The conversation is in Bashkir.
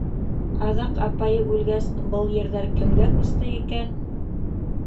Аҙаҡ, апайы үлгәс, был ерҙәр кемгә күсте икән?